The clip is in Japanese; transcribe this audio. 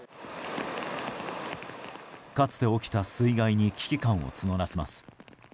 かつて起きた水害に危機感を募らせます。